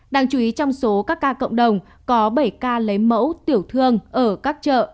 đáng chú ý trong số các ca cộng đồng có bảy ca lấy mẫu tiểu thương ở các chợ